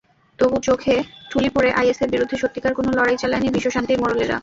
তবু চোখে ঠুলি পরে আইএসের বিরুদ্ধে সত্যিকার কোনো লড়াই চালায়নি বিশ্বশান্তির মোড়লেরা।